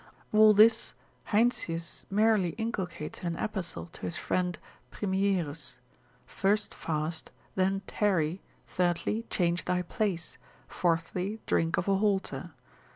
All this Heinsius merrily inculcates in an epistle to his friend Primierus; first fast, then tarry, thirdly, change thy place, fourthly, think of a halter.